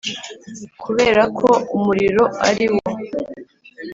kubera ko umuriro a ari wo